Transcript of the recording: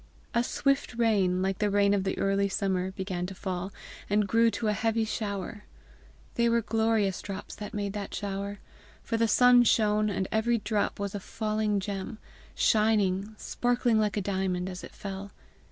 A swift rain, like a rain of the early summer, began to fall, and grew to a heavy shower. They were glorious drops that made that shower; for the sun shone, and every drop was a falling gem, shining, sparkling like a diamond, as it fell.